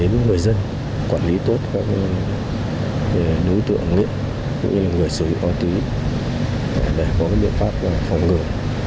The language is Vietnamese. chúng người dân quản lý tốt đối tượng người sử dụng ma túy để có biện pháp phòng ngừa